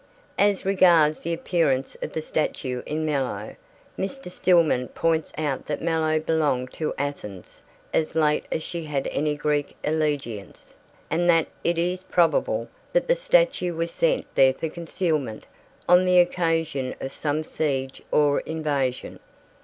As regards the appearance of the statue in Melos, Mr. Stillman points out that Melos belonged to Athens as late as she had any Greek allegiance, and that it is probable that the statue was sent there for concealment on the occasion of some siege or invasion.